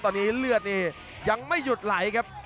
ตอนนี้เลือดนี่ยังไม่หยุดไหลครับ